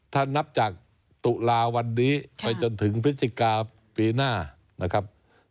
ถ้านับจากตุลาวันนี้ไปจนถึงพฤศจิกาปีหน้านะครับ